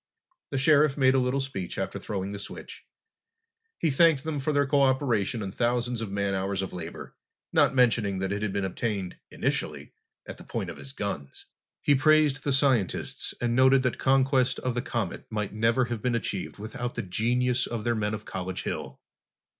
The Sheriff made a little speech after throwing the switch. He thanked them for their co operation and thousands of man hours of labor, not mentioning that it had been obtained, initially, at the point of his guns. He praised the scientists and noted that conquest of the comet might never have been achieved without the genius of their men of College Hill.